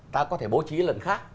ta có thể bố trí lần khác